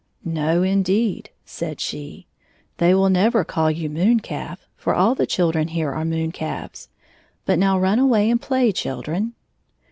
" No, indeed," said she ;" they will never call you moon calf, for all the children here are moon calves. But now run away and play, children."